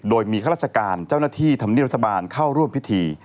โดยมีข้าราชการเจ้าหน้าที่ธรรมเนียบรัฐบาลเข้าร่วมพิธี